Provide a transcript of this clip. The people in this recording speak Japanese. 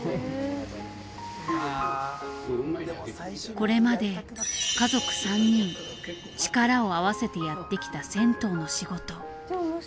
これまで家族３人力を合わせてやってきた銭湯の仕事。